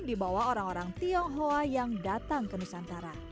dibawa orang orang tionghoa yang datang ke nusantara